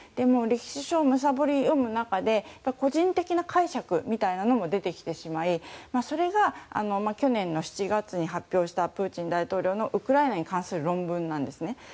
歴史書をむさぼり読む中で個人的な解釈みたいなのも出てきてしまいそれが去年の７月に発表したプーチン大統領のウクライナに関する論文なんです